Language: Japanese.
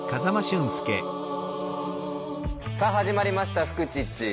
さあ始まりました「フクチッチ」。